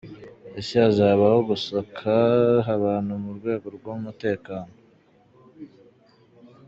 Ese hazabaho gusaka abantu mu rwego rw’umutekano ?